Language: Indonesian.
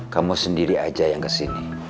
kamu sendiri aja yang kesini